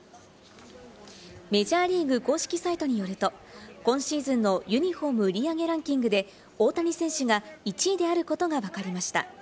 メジャーリーグ公式サイトによると、今シーズンのユニホーム売り上げランキングで大谷選手が１位であることがわかりました。